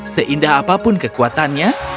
seindah apapun kekuatannya